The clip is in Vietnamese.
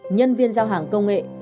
nhân viên giao hàng công nghệ